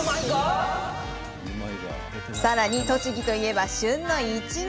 さらに栃木といえば旬のいちご。